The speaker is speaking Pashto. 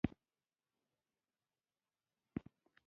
د سبزیجاتو تازه والي د بازار د اړتیا سره برابر شي.